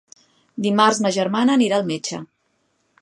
Dimarts ma germana anirà al metge.